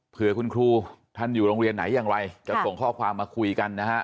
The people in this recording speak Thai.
เพื่อคุณครูท่านอยู่โรงเรียนไหนอย่างไรจะส่งข้อความมาคุยกันนะฮะ